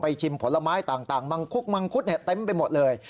ชิมผลไม้ต่างมังคุดมังคุดเต็มไปหมดเลย